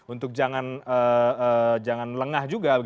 untuk jangan lengah juga